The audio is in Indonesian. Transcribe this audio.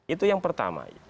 itu yang pertama